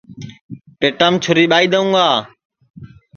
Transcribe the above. پیٹام چُھری ٻائی دؔیوں گا